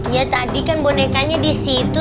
ya tadi kan bonekanya di situ